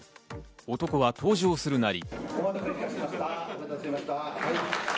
男は登場するなり。